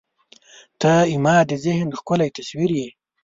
• ته زما د ذهن ښکلی تصویر یې.